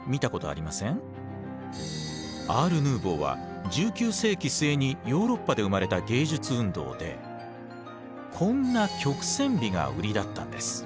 アール・ヌーヴォーは１９世紀末にヨーロッパで生まれた芸術運動でこんな曲線美が売りだったんです。